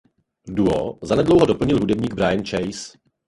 Duo zanedlouho doplnil bubeník Brian Chase.